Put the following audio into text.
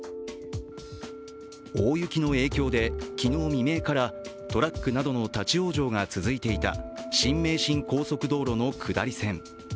大雪の影響で昨日未明からトラックなどの立往生が続いていた新名神高速道路の下り線。